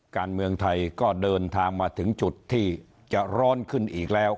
การเมืองไทยก็เดินทางมาถึงจุดที่จะร้อนขึ้นอีกแล้ว